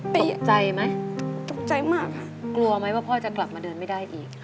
เอกใจไหมตกใจมากค่ะกลัวไหมว่าพ่อจะกลับมาเดินไม่ได้อีก